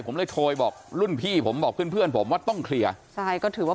ผมเลยโทรบอกรุ่นพี่ผมบอกเพื่อนเพื่อนผมว่าต้องเคลียร์ใช่ก็ถือว่า